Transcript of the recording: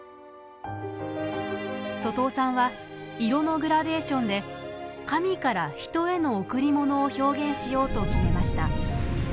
外尾さんは色のグラデーションで神から人への贈り物を表現しようと決めました。